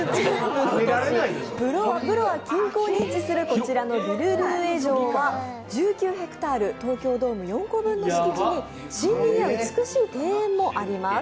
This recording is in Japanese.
ブロワ近郊に位置するヴィルルーエ城は１９ヘクタール、東京ドーム４個分の敷地に美しい森林もあります。